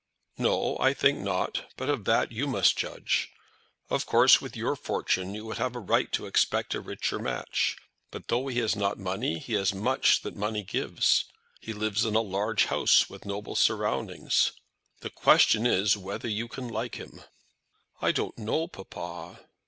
"No; I think not. But of that you must judge. Of course with your fortune you would have a right to expect a richer match. But though he has not money, he has much that money gives. He lives in a large house with noble surroundings. The question is whether you can like him?" "I don't know, papa."